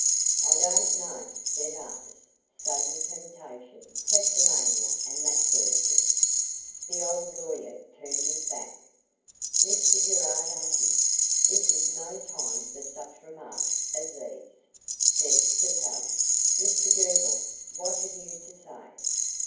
"I don't know," said Artis. "Sudden temptation; kleptomania and that sort of thing." The old lawyer turned his back. "Mr Gerard Artis, this is no time for such remarks as these," said Capel. "Mr Girtle, what have you to say?"